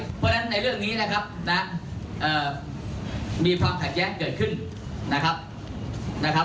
เพราะฉะนั้นในเรื่องนี้นะครับนะมีความขัดแย้งเกิดขึ้นนะครับ